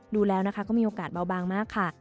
ดูแล้วนะคะก็มีโอกาสเบาบางมากค่ะ